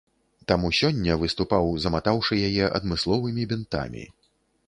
Таму сёння выступаў заматаўшы яе адмысловымі бінтамі.